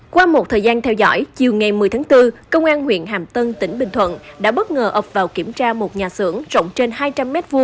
qua một thời gian theo dõi chiều ngày một mươi tháng bốn công an huyện hàm tân tỉnh bình thuận đã bất ngờ ập vào kiểm tra một nhà xưởng rộng trên hai trăm linh m hai